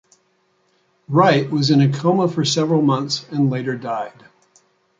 Wright was in a coma for several months and later died.